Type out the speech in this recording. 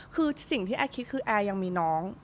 คือสิ่งที่แอร์คิดคือแอร์ยังมีน้อง